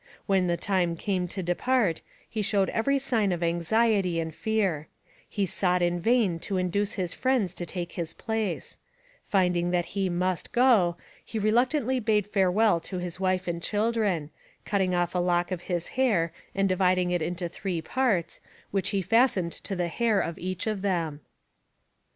When the time came to depart he showed every sign of anxiety and fear: he sought in vain to induce his friends to take his place: finding that he must go, he reluctantly bade farewell to his wife and children, cutting off a lock of his hair and dividing it into three parts, which he fastened to the hair of each of them.